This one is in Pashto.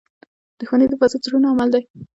• دښمني د فاسدو زړونو عمل دی.